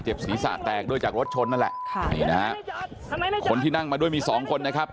เจ็บศีรษะแตกด้วยจากรถชนนั่นแหละคนที่นั่งมาด้วยมี๒คนนะครับ